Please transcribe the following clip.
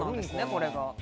これが。